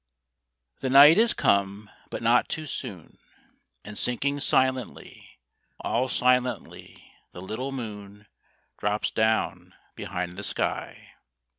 The night is come, but not too soon; And sinking silently, All silently, the little moon Drops down behind the sky.